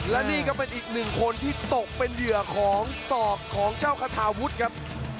และนี่ก็เป็นอีกหนึ่งคนที่ตกเป็นเหยื่อของศอกของเจ้าคาทาวุฒิครับ